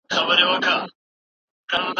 طلاق د کومي نکاح له اثارو څخه ګڼل کيږي؟